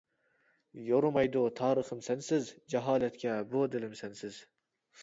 يورۇمايدۇ تارىخىم سەنسىز، جاھالەتكە بۇ دىلىم سەنسىز.